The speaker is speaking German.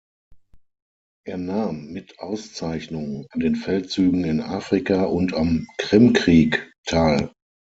Er nahm mit Auszeichnung an den Feldzügen in Afrika und am Krimkrieg teil.